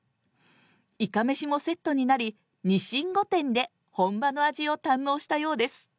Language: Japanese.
いかめしもセットになり、ニシン御殿で本場の味を堪能したようです。